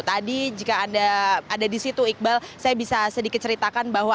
tadi jika anda ada di situ iqbal saya bisa sedikit ceritakan bahwa